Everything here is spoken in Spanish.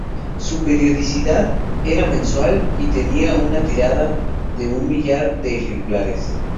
Su periodicidad era mensual y tenía una tirada de un millar de ejemplares.